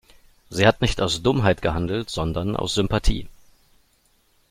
Sie hat nicht aus Dummheit gehandelt, sondern aus Sympathie.